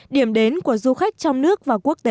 điểm đến của du khách trong nước và quốc tế